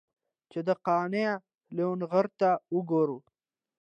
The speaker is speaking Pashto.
چې دا قانع لېونغرته وګوره.